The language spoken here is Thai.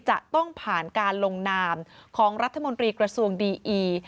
จะต้องผ่านการลงนามของรัฐมนตรีกระทรวงดีอี